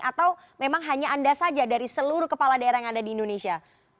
atau memang hanya anda saja dari seluruh kepala daerah yang ada di indonesia